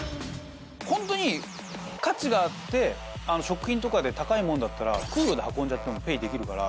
ホントに価値があって食品とかで高いものだったら空路で運んじゃってもペイできるから。